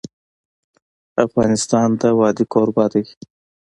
افغانستان د وادي کوربه دی.